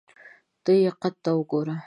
ته یې قد ته وګوره !